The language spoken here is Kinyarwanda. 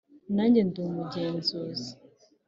nanjye ndi umugenzi